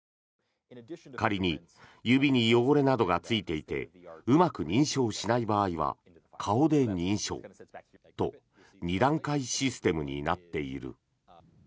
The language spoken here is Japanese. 仮に指に汚れなどがついていてうまく認証しない場合は顔で認証と２段階システムになっている。